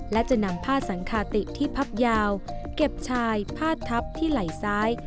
และจะนำผ้าสังคาติที่พับยาวเก็บชายผ้าทับที่ไหล่ซ้าย